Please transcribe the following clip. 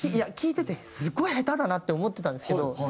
聴いててすごい下手だなって思ってたんですけど。